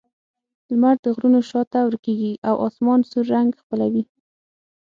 لمر د غرونو شا ته ورکېږي او آسمان سور رنګ خپلوي.